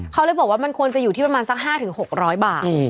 เขาเลยบอกว่ามันควรจะอยู่ที่ประมาณสัก๕๖๐๐บาท